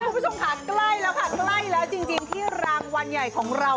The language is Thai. คุณผู้ชมค่ะใกล้แล้วค่ะใกล้แล้วจริงที่รางวัลใหญ่ของเรา